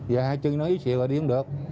giờ hai chân nó yếu xịu rồi đi không được